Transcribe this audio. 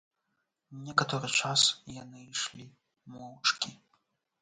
Некаторы час яны ішлі моўчкі.